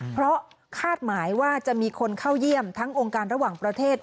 เพราะคาดหมายว่าจะมีคนเข้าเยี่ยมทั้งองค์การระหว่างประเทศ